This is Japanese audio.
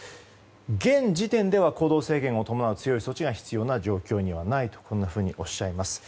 現時点では行動制限を伴う強い措置が必要な状況にはないとこんなふうにおっしゃいます。